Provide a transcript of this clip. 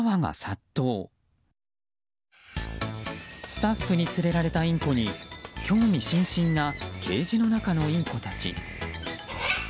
スタッフに連れられたインコに興味津々なケージの中のインコたち。